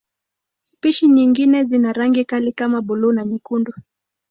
Spishi nyingine zina rangi kali kama buluu na nyekundu.